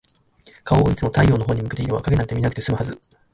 顔をいつも太陽のほうに向けていれば、影なんて見なくて済むはず。